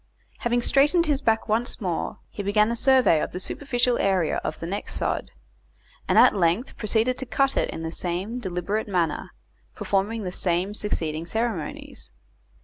Having straightened his back once more, he began a survey of the superficial area of the next sod, and at length proceeded to cut it in the same deliberate manner, performing the same succeeding ceremonies.